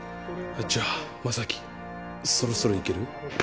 あじゃあ将希そろそろいける？